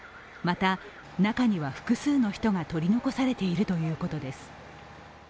また中には、複数の人が取り残されているということです。